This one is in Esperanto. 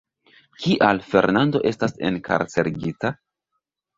Kial Fernando estas enkarcerigita?